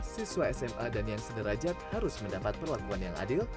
siswa sma dan yang sederajat harus mendapat perlakuan yang adil